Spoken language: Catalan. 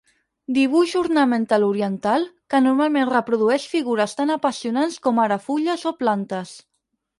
Dibuix ornamental oriental que normalment reprodueix figures tan apassionants com ara fulles o plantes.